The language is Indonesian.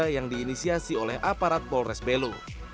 yang diinisiasi oleh aparat polres belu